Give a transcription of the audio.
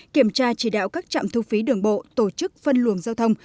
kiểm tra chỉ đạo các trạm thu phí đường bộ tổ chức phân luồng giao thông